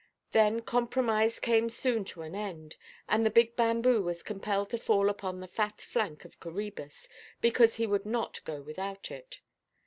Then compromise came soon to an end, and the big bamboo was compelled to fall upon the fat flank of Coræbus, because he would not go without it.